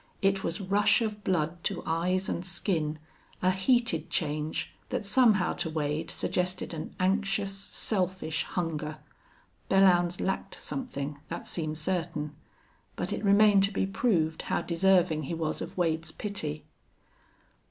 It was rush of blood to eyes and skin, a heated change that somehow to Wade suggested an anxious, selfish hunger. Belllounds lacked something, that seemed certain. But it remained to be proved how deserving he was of Wade's pity.